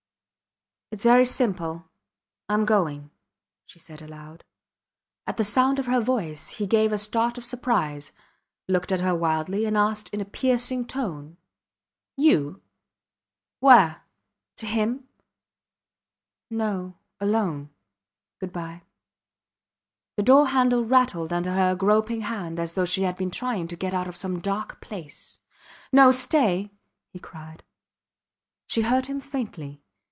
Its very simple Im going, she said aloud. At the sound of her voice he gave a start of surprise, looked at her wildly, and asked in a piercing tone You. ... Where? To him? No alone good bye. The door handle rattled under her groping hand as though she had been trying to get out of some dark place. No stay! he cried. She heard him faintly.